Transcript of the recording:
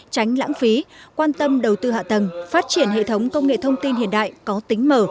tránh lãng phí quan tâm đầu tư hạ tầng phát triển hệ thống công nghệ thông tin hiện đại có tính mở